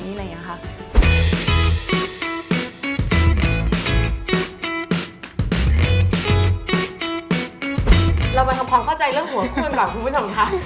เรามาทำความเข้าใจเรื่องหัวคู่กันก่อนคุณผู้ชมค่ะ